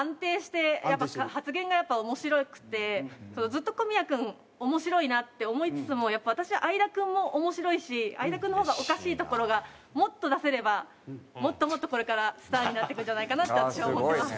ずっと小宮君面白いなって思いつつもやっぱり私は相田君も面白いし相田君の方がおかしいところがもっと出せればもっともっとこれからスターになっていくんじゃないかなって私は思ってます。